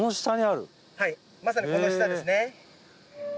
まさにこの下ですね。